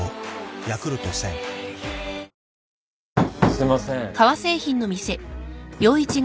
すいません。